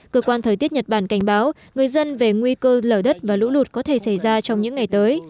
cơ quan thời tiết nhật bản cảnh báo người dân về nguy cơ lở đất và lũ lụt có thể xảy ra trong những ngày tới